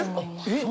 えっ！